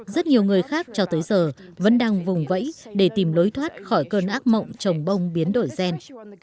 rất nhiều người khác cho tới giờ vẫn đang vùng vẫy để tìm lối thoát khỏi cơn ác mộng trồng bông biến đổi gen